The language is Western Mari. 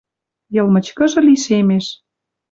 Йыл мычкыжы лишемеш